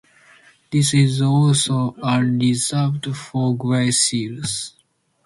This is also a reserve for grey seals.